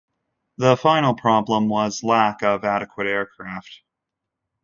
The final problem was lack of adequate aircraft.